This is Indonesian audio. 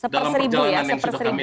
dalam perjalanan yang sudah kami